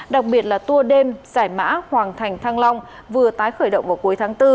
đặc biệt là tour đêm giải mã hoàng thành thăng long vừa tái khởi động vào cuối tháng bốn